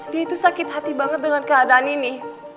dia itu sakit hati banget dengan keadaan ini